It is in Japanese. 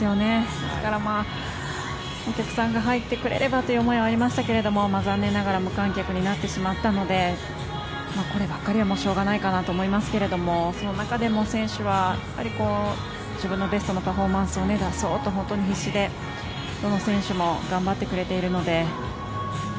ですから、お客さんが入ってくれればという思いがありましたが無観客になってしまったのでこればっかりはしょうがないかなと思いますけれどもその中でも選手は自分のベストのパフォーマンスを出そうと本当に必死でどの選手も頑張ってくれているので。